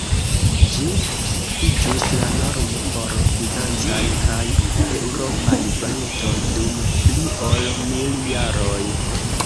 Ĝi iĝus la normo por bizancaj kaj eŭropaj valutoj dum pli ol mil jaroj.